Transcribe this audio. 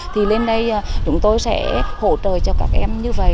thì lên đây chúng tôi sẽ hỗ trợ cho các em như vậy